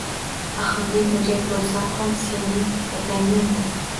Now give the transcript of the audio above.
Axir men o`gay bo`lsa ham sening otangman-ku